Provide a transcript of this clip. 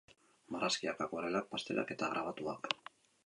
Marrazkiak, akuarelak, pastelak eta grabatuak.